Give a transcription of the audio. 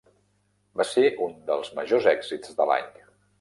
Va ser un dels majors èxits de l'any.